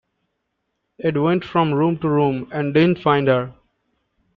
Ed went from room to room, and didn't find her.